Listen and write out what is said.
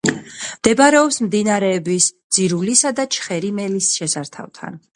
მდებარეობს მდინარეების ძირულისა და ჩხერიმელის შესართავთან.